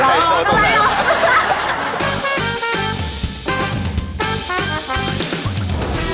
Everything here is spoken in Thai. ไฮโซตรงนั้น